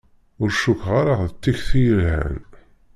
Ur cukkeɣ ara d tikti yelhan.